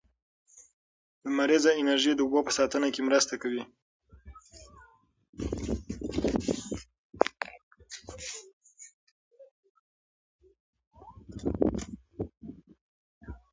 لمریزه انرژي د اوبو په ساتنه کې مرسته کوي.